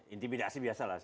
intimidasi biasa lah